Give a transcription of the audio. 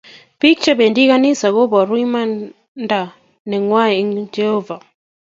Bik che bendi kanisa koboru imanda ngwai eng Jehova